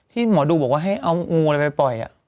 หมอดูบอกว่าให้เอางูอะไรไปปล่อย